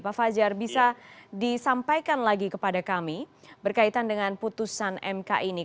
pak fajar bisa disampaikan lagi kepada kami berkaitan dengan putusan mk ini